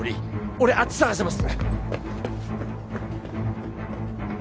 俺あっち捜します。